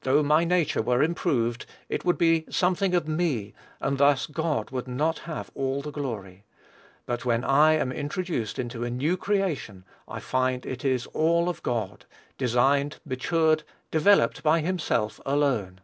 Though my nature were improved, it would be something of me, and thus God would not have all the glory. But when I am introduced into a new creation, I find it is all of God, designed, matured, developed by himself alone.